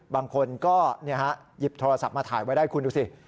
บางคนก็หยิบโทรศัพท์มาถ่ายไว้ได้คุณดูสิ